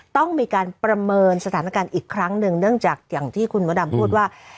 ต้องมีการประเมินสถานการณ์อีกครั้งหนึ่งเนื่องจากอย่างที่คุณมดดำพูดว่า